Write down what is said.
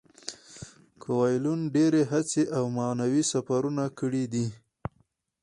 کویلیو ډیرې هڅې او معنوي سفرونه کړي دي.